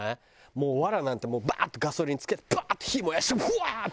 もうわらなんてバーッとガソリンつけてバーッて火燃やしてブワー！ってやりたいもんね。